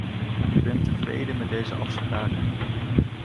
Ik ben tevreden met deze afspraak.